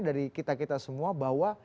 dari kita kita semua bahwa